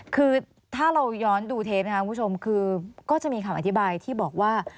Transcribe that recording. คือถ้าเราย้อนดูเทปนะครับคุณผู้ชมคือก็จะมีคำอธิบายที่บอกว่า